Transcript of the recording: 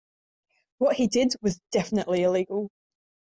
What he did was definitively illegal.